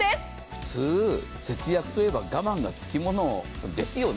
普通、節約といえば我慢がつきものですよね。